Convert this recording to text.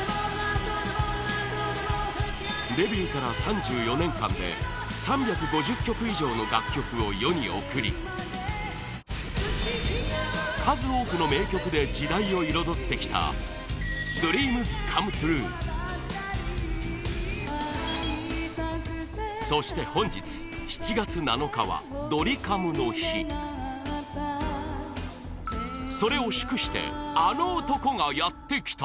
デビューから３４年間で３５０曲以上の楽曲を世に送り数多くの名曲で時代を彩ってきたＤＲＥＡＭＳＣＯＭＥＴＲＵＥそして本日７月７日はドリカムの日それを祝してあの男がやってきた！